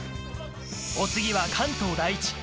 お次は関東第一。